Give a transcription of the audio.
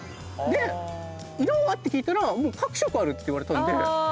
で「色は？」って聞いたらもう各色あるって言われたんで。